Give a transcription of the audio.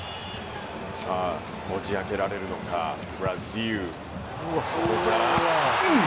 さあこじ開けられるのかブラジル。